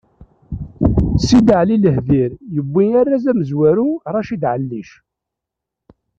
Sidali Lahdir yewwi arraz amezwaru Racid Ɛellic.